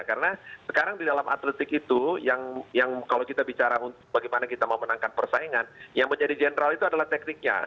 karena sekarang di dalam atletik itu yang kalau kita bicara bagaimana kita mau menangkan persaingan yang menjadi general itu adalah tekniknya